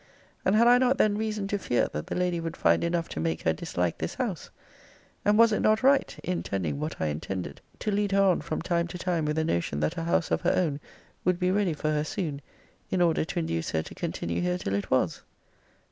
and had I not then reason to fear, that the lady would find enough to make her dislike this house? and was it not right (intending what I intended) to lead her on from time to time with a notion that a house of her own would be ready for her soon, in order to induce her to continue here till it was?